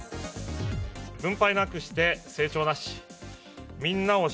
分配なくして成長なし。